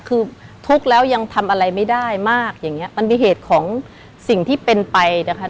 คือทุกข์แล้วยังทำอะไรไม่ได้มากอย่างเงี้มันมีเหตุของสิ่งที่เป็นไปนะคะ